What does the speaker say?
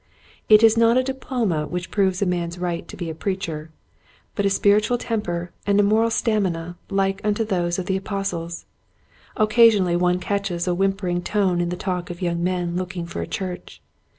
It is not a diploma which proves a man's right to be a preacher, but a spiritual temper and a moral stamina like unto those of the Apostles. Occa sionally one catches a whimpering tone in the talk of young men looking for a church.